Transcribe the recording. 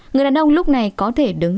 người đàn ông lúc này có thể đứng dậy được ngay